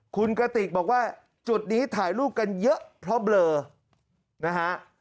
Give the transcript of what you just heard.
คุณกระติกบอกว่าจุดนี้ถ่ายรูปกันเยอะเพราะเบลอนะฮะ